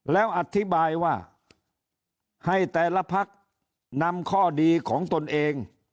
แล้วอธิบายว่าให้แต่ละพักนำข้อดีของตนเอง